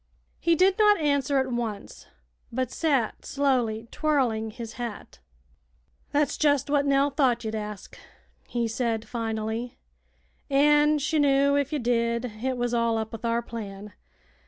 He did not answer at once, but sat slowly twirling his hat. "That's jet' what Nell thought ye'd ask," he said, finally, "an' she knew if ye did it was all up with our plan.